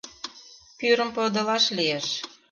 Пӱрым подылаш лиеш.